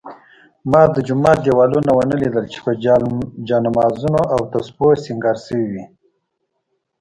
ما د جومات دېوالونه ونه لیدل چې په جالمازونو او تسپو سینګار شوي وي.